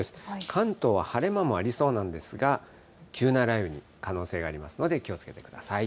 関東は晴れ間もありそうなんですが、急な雷雨になる可能性がありますので、気をつけてください。